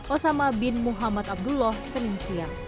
osama bin muhammad abdullah senin siang